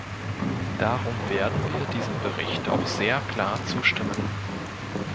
Darum werden wir diesem Bericht auch sehr klar zustimmen.